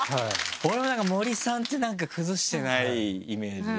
俺もなんか森さんって崩してないイメージ。